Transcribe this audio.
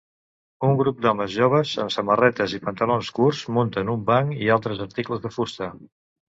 Un grup d'homes joves amb samarretes i pantalons curts munten un banc i altres articles de fusta.